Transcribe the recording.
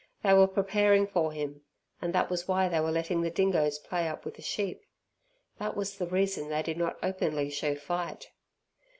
They were preparing for him, and that was why they were letting the dingoes play up with the sheep. That was the reason they did not openly show fight.